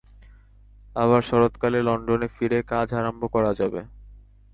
আবার শরৎকালে লণ্ডনে ফিরে কাজ আরম্ভ করা যাবে।